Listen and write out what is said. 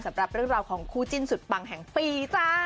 สำหรับเรื่องราวของคู่จิ้นสุดปังแห่งปีจ้า